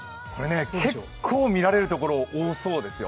結構見られるところ多そうですよ。